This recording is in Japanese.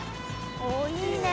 おいいねえ。